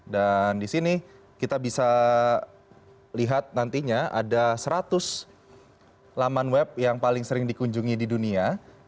dan di sini kita bisa lihat nantinya ada seratus laman web yang paling sering dikunjungi di dunia